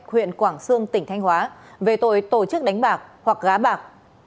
huyện quảng sương tỉnh thanh hóa về tội tổ chức đánh bạc hoặc gá bạc